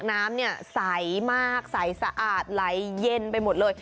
น้ำเนี่ยใสมากใสสะอาดไหลเย็นไปหมดเลย